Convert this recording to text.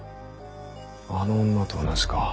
あの女と同じか。